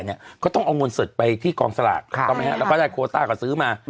เขาต้องเอาเงินสดไปที่กองสลากแล้วก็ได้โคต้าก็ซื้อมา